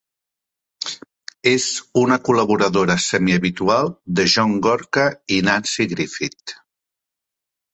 És una col·laboradora semihabitual de John Gorka i Nanci Griffith.